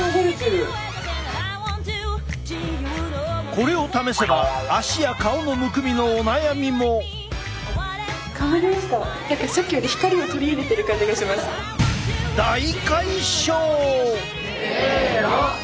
これを試せば足や顔のむくみのお悩みも！せの！